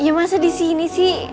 ya masa disini sih